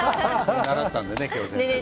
習ったんでね今日ね。